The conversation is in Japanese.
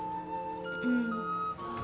うん。